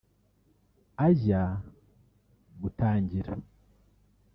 ajya gutangira